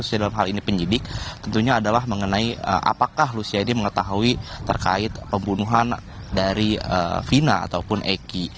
khususnya dalam hal ini penyidik tentunya adalah mengenai apakah luciade mengetahui terkait pembunuhan dari vina ataupun eki